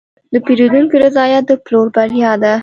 د پیرودونکي رضایت د پلور بریا ده.